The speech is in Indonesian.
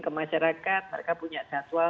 ke masyarakat mereka punya jadwal